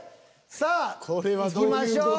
さあいきましょう。